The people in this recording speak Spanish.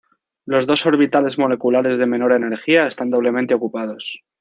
Los dos orbitales moleculares de menor energía están doblemente ocupados.